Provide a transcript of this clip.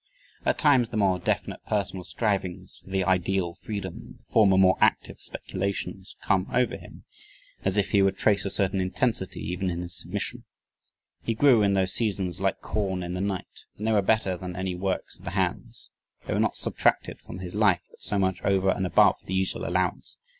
At times the more definite personal strivings for the ideal freedom, the former more active speculations come over him, as if he would trace a certain intensity even in his submission. "He grew in those seasons like corn in the night and they were better than any works of the hands. They were not time subtracted from his life but so much over and above the usual allowance."